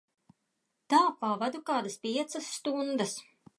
Tā pavadu kādas piecas stundas.